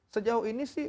sejauh ini sih